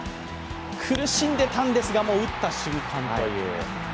苦しんでたんですが、打った瞬間という。